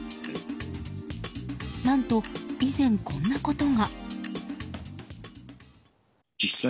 何と、以前こんなことが。